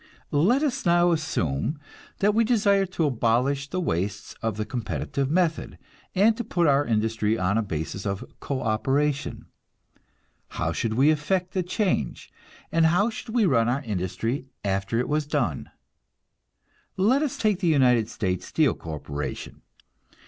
Let us now assume that we desire to abolish the wastes of the competitive method, and to put our industry on a basis of co operation. How should we effect the change, and how should we run our industry after it was done? Let us take the United States Steel Corporation.